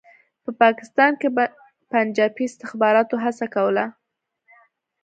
په پاکستان کې پنجابي استخباراتو هڅه کوله.